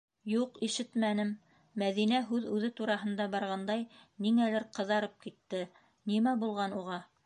Юҡ, ишетмәнем, - Мәҙинә, һүҙ үҙе тураһында барғандай, ниңәлер ҡыҙарып китте, - нимә булған уға?